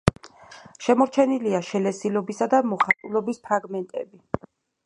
შემორჩენილია შელესილობისა და მოხატულობის ფრაგმენტები.